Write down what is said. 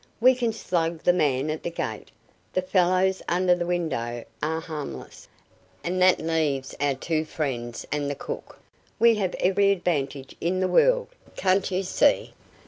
We can slug the man at the gate, the fellows under the window are harmless, and that leaves but our two friends and the cook. We have every advantage in the world. Can't you see?"